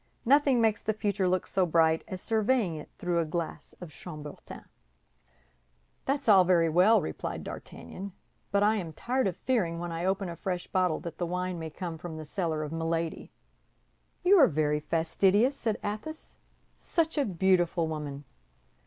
Nothing makes the future look so bright as surveying it through a glass of chambertin." "That's all very well," replied D'Artagnan; "but I am tired of fearing when I open a fresh bottle that the wine may come from the cellar of Milady." "You are very fastidious," said Athos; "such a beautiful woman!"